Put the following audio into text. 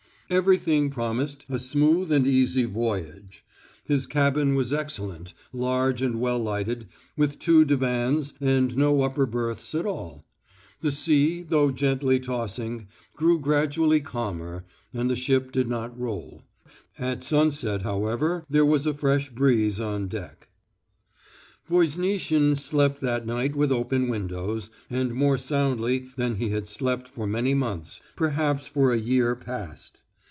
Everything promised a smooth and easy voyage. His cabin was excellent, large and well lighted, with two divans and no upper berths at all. The sea, though gently tossing, grew gradually calmer, and the ship did not roll. At sunset, however, there was a fresh breeze on deck. Voznitsin slept that night with open windows, and more soundly than he had slept for many months, perhaps for a year past.